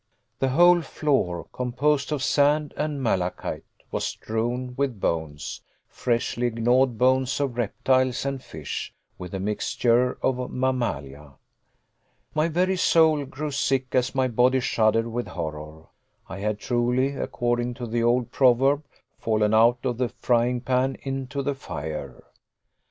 The whole floor, composed of sand and malachite, was strewn with bones, freshly gnawed bones of reptiles and fish, with a mixture of mammalia. My very soul grew sick as my body shuddered with horror. I had truly, according to the old proverb, fallen out of the frying pan into the fire.